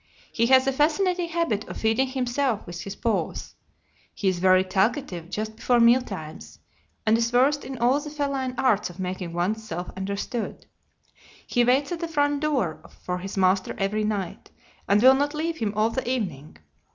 He has a fascinating habit of feeding himself with his paws. He is very talkative just before meal times, and is versed in all the feline arts of making one's self understood. He waits at the front door for his master every night, and will not leave him all the evening.